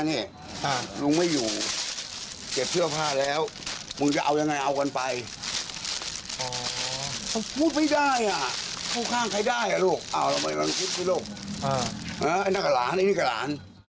หลุงคนกลาง่ายผู้ลำบาก